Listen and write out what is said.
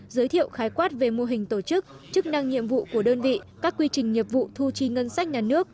giới thiệu khái quát về mô hình tổ chức chức năng nhiệm vụ của đơn vị các quy trình nghiệp vụ thu chi ngân sách nhà nước